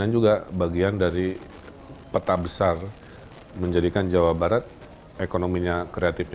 jawa barat dua ribu dua puluh tiga